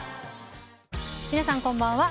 皆さんこんばんは。